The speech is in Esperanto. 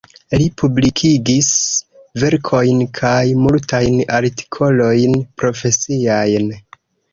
Li publikigis verkojn kaj multajn artikolojn profesiajn.